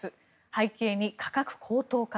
背景に価格高騰か。